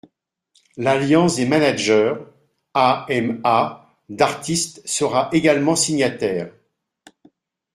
L’Alliance des managers – AMA – d’artistes sera également signataire.